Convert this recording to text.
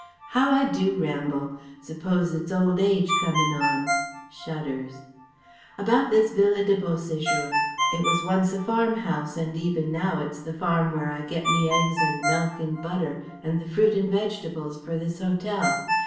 How I do ramble. Suppose it's old age comin' on" (shudders). "About this Villa de Beau séjour ... It was once a farm house, and even now it's the farm where I get me eggs and milk and butter an' the fruit and vegetables for this hotel.